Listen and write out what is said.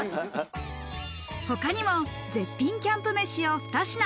他にも絶品キャンプ飯を２品。